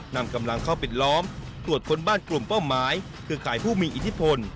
นำกำลังเข้าปิดล้อมตรวจค้นบ้านกลุ่มเป้าหมายเครือข่ายผู้มีอิทธิพล